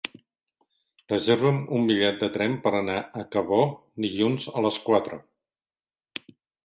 Reserva'm un bitllet de tren per anar a Cabó dilluns a les quatre.